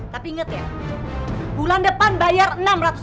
tapi inget ya bulan depan bayar rp enam ratus